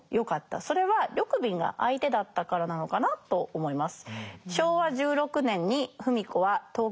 それは緑敏が相手だったからなのかなと思います。